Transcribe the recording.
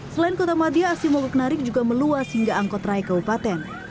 selain kota madia aksi mogok narik juga meluas hingga angkot rai kabupaten